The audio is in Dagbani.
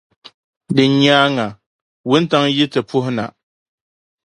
Di nyaaŋa wuntaŋ' yi ti puhi na.